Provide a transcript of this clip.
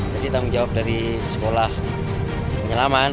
jadi tanggung jawab dari sekolah penyelaman